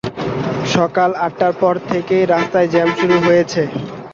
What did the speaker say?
সকাল আটটার পর থেকেই রাস্তায় জ্যাম শুরু হয়েছে।